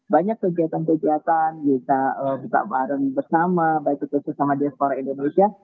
banyak kegiatan kegiatan kita berbicara bersama baik itu bersama diaspora indonesia